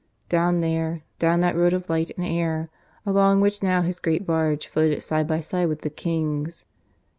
... down there, down that road of light and air, along which now his great barge floated side by side with the King's.